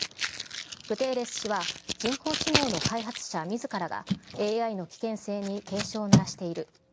グテーレス氏は人工知能の開発者みずからがＡＩの危険性に警鐘を鳴らしている。